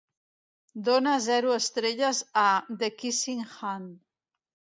Dóna zero estrelles a The Kissing Hand.